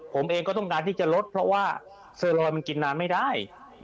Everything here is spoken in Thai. ผมเองก็ต้องการที่จะลดเพราะว่าเซอร์ลอยมันกินนานไม่ได้